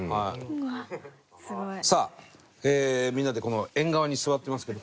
さあみんなでこの縁側に座ってますけど。